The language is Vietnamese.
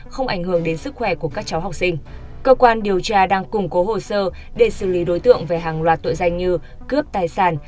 không ảnh hưởng đến sức khỏe của các cháu học sinh cơ quan điều tra đang củng cố hồ sơ để xử lý đối tượng về hàng loạt tội danh như cướp tài sản